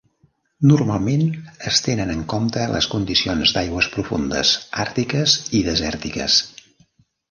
Normalment es tenen en compte les condicions d'aigües profundes, àrtiques i desèrtiques.